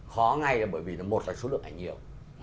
khó ngay là bởi vì một là số lượng ảnh nhiều